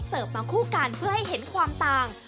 มาคู่กันเพื่อให้เห็นความต่าง